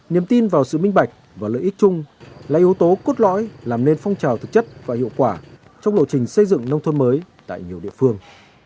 niềm tin vào sự minh bạch và lợi ích chung là yếu tố cốt lõi làm nên phong trào thực chất và hiệu quả trong lộ trình xây dựng nông thôn mới tại nhiều địa phương